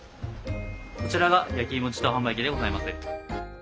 こちらが焼きいも自動販売機でございます。